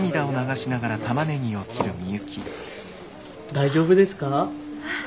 大丈夫ですか？